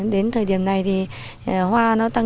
đến thời điểm này hoa nó tăng